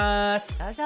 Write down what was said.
どうぞ！